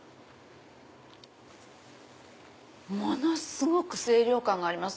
ものすごく清涼感があります。